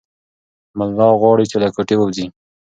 ملا غواړي چې له کوټې ووځي.